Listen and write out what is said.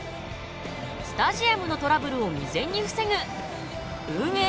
スタジアムのトラブルを未然に防ぐ運営